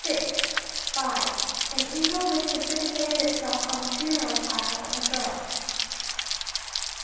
(5.) — AN EAGLE WHICH PRECIPITATED ITSELF ON THE FUNERAL PILE OF A GIRL.